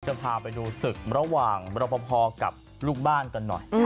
จะพาไปดูศึกระหว่างรปภกับลูกบ้านกันหน่อย